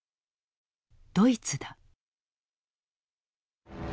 ドイツだ。